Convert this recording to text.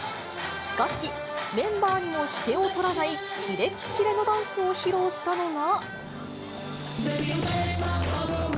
しかし、メンバーにも引けを取らないキレッキレのダンスを披露したのが。